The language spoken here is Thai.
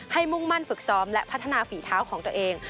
มุ่งมั่นฝึกซ้อมและพัฒนาฝีเท้าของตัวเอง